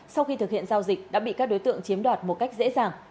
sau khi thực hiện giao dịch đã bị các đối tượng chiếm đoạt một cách dễ dàng